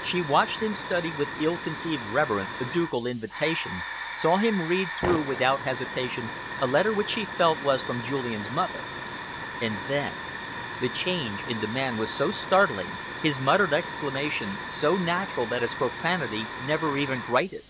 She watched him study with ill concealed reverence a ducal invitation, saw him read through without hesitation a letter which she felt sure was from Julian's mother. And then: The change in the man was so startling, his muttered exclamation so natural that its profanity never even grated.